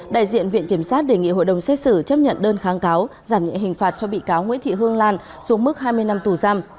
đại diện viện kiểm sát đề nghị hội đồng xét xử chấp nhận đơn kháng cáo giảm nhẹ hình phạt cho bị cáo nguyễn thị hương lan xuống mức hai mươi năm tù giam